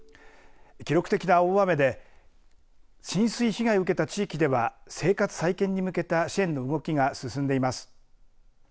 記録的な大雨で浸水被害を受けた地域では生活再建に向けた支援の動きが進んでいます。